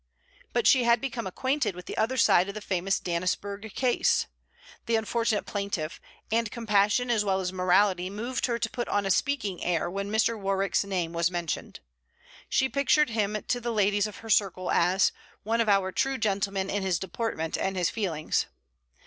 But she had become acquainted with the other side of the famous Dannisburgh case the unfortunate plaintiff; and compassion as well as morality moved her to put on a speaking air when Mr. Warwick's name was mentioned. She pictured him to the ladies of her circle as 'one of our true gentlemen in his deportment and his feelings.'